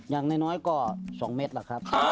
อย่างในน้อยกว่า๒เมตรเหรอครับ